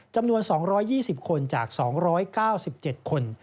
จำนวน๒๒๐คนจาก๒๙๗คน